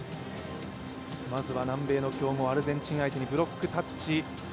まずは南米の強豪アルゼンチン相手にブロックタッチ。